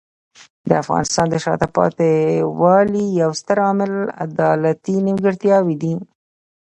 د افغانستان د شاته پاتې والي یو ستر عامل عدالتي نیمګړتیاوې دي.